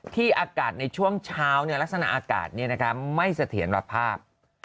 อากาศในช่วงเช้าลักษณะอากาศไม่เสถียรภาพ